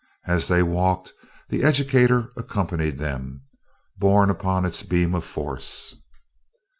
As they walked, the educator accompanied them, borne upon its beam of force.